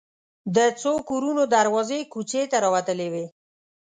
د څو کورونو دروازې کوڅې ته راوتلې وې.